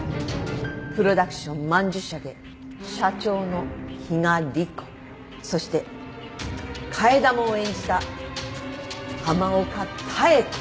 プロダクション曼珠沙華社長の比嘉莉湖そして替え玉を演じた浜岡妙子